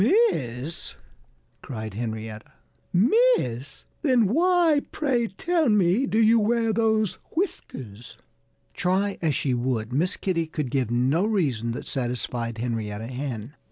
"Miss!" cried Henrietta. "Miss! Then why, pray tell me, do you wear those whiskers?" Try as she would, Miss Kitty could give no reason that satisfied Henrietta Hen.